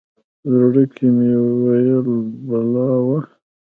زړه کې مې ویل بلا وه.